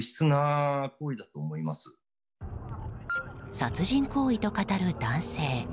殺人行為と語る男性。